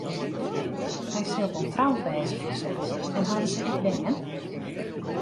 Hy sil wol troud wêze fansels en hawwe se ek bern?